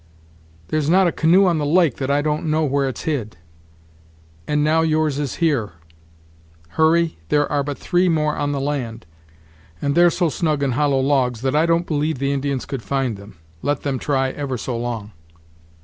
"There's not a canoe on the lake that I don't know where it's hid; and now yours is here. Hurry, there are but three more on the land, and they're so snug in hollow logs that I don't believe the Indians could find them, let them try ever so long."